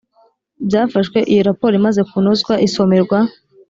byafashwe iyo raporo imaze kunozwa isomerwa